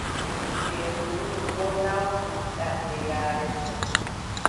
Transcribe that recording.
Nden ndu numi boo naawɗum fiɗaande yaare go.